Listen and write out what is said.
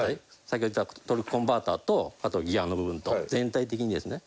先ほど言ったトルクコンバータとあとギアの部分と全体的にですね。